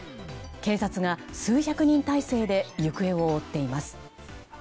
警察が数百人態勢で行方を追っています。